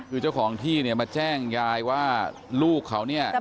คือเจ้าของที่เนี่ยมาแจ้งยายว่าลูกเขาเนี่ย